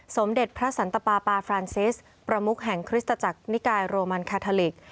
สมเด็จพระสันตปาปาฟรานซิสประมุกแห่งคริสตจักรนิกายโรมันคาทาลิก